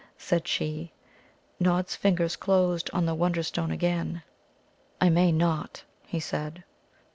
said she. Nod's fingers closed on the Wonderstone again. "I may not," he said.